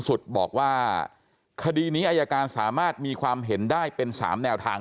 บอกว่าคดีนี้อายการสามารถมีความเห็นได้เป็น๓แนวทาง